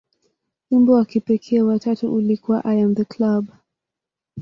Wimbo wa kipekee wa tatu ulikuwa "I Am The Club".